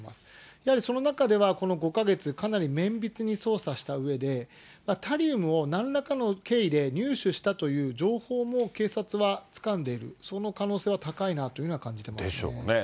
やはりその中ではこの５か月、綿密に捜査したうえで、タリウムをなんらかの経緯で入手したという情報も警察はつかんでいる、その可能性は高いなとでしょうね。